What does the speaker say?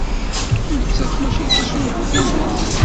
Nettat mačči d tacengut-ines.